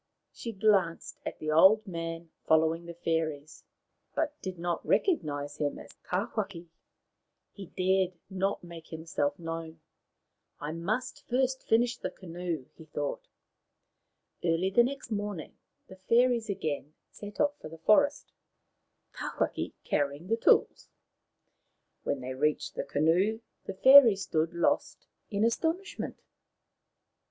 She glanced at the old man following the fairies, but did not recognize him as Tawhaki. He dared not make himself known. " I must first finish the canoe," he thought. Early the next morning the fairies again set off for the forest, Tawhaki carrying the tools. When they reached the canoe the fairies stood lost in astonishment.